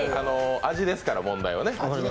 味ですから、問題は。